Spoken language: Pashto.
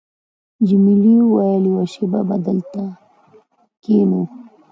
جميلې وويل:، یوه شېبه به دلته کښېنو.